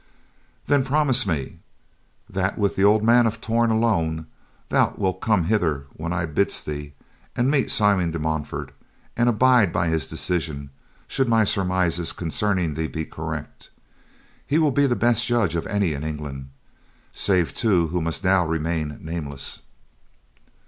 "Then promise me, that with the old man of Torn alone, thou wilt come hither when I bidst thee and meet Simon de Montfort, and abide by his decision should my surmises concerning thee be correct. He will be the best judge of any in England, save two who must now remain nameless."